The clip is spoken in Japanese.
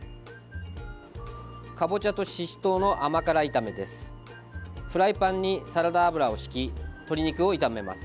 かぼちゃとししとうの甘辛炒めです。